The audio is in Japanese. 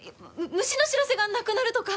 虫の知らせがなくなるとか。